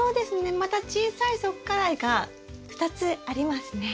また小さい側花蕾が２つありますね。